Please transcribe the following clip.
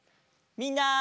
みんな！